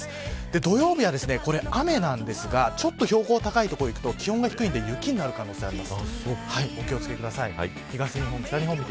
土曜日は雨なんですがちょっと標高が高い所に行くと気温が低いので雪になる可能性があります。